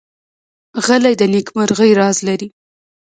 غلی، د نېکمرغۍ راز لري.